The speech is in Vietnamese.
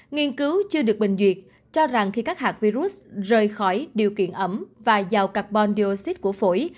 nghiên cứu chưa được bình duyệt cho rằng khi các hạt virus rời khỏi điều kiện ẩm và giàu carbon dioxide của phổi